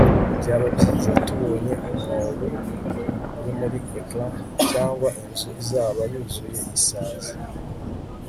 Byaba byiza tubonye umwobo uri muri ecran cyangwa inzu izaba yuzuye isazi